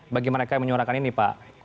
bagaimana kalian menyuarakan ini pak